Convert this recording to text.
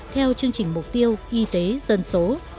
theo chương trình mục tiêu y tế dân số